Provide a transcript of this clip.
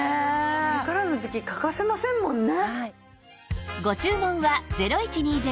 これからの時季欠かせませんもんね。